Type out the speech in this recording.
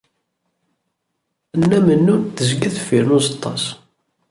Nna Mennun tezga deffir n uẓeṭṭa-s.